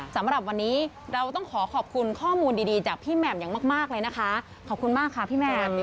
สำหรับวันนี้เราต้องขอขอบคุณข้อมูลดีจากพี่แหม่มอย่างมากเลยนะคะขอบคุณมากค่ะพี่แหม่ม